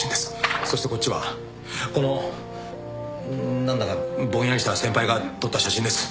そしてこっちはこの何だかぼんやりした先輩が撮った写真です。